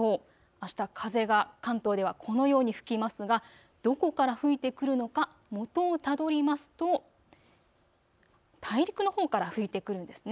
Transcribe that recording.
あした風が関東ではこのように吹きますが、どこから吹いてくるのかもとをたどりますと大陸のほうから吹いてくるんですね。